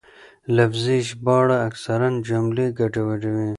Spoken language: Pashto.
لفظي ژباړه اکثراً جملې ګډوډوي.